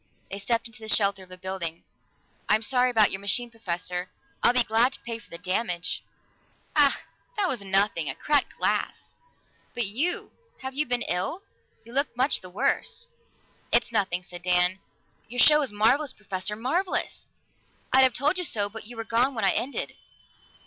They stepped into the shelter of a building. "I'm sorry about your machine, Professor. I'd be glad to pay for the damage." "Ach, that was nothing a cracked glass. But you have you been ill? You look much the worse." "It's nothing," said Dan. "Your show was marvelous, Professor marvelous! I'd have told you so, but you were gone when it ended."